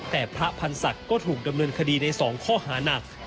แต่พระพันธ์ศักดิ์ก็ถูกดำเนินคดีใน๒ข้อหานัก